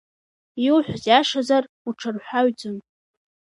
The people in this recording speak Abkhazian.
Иуҳәаз иашазар, учарҳәаҩӡам.